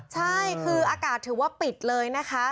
ใช่คืออากาศถือว่าปิดเลยนะคะ